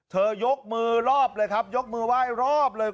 ยกมือรอบเลยครับยกมือไหว้รอบเลย